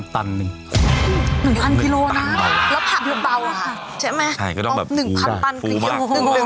๑๐๐๐ตันคือเยอะมาก